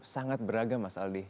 sangat beragam mas aldi